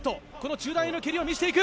中段への蹴りを見せていく。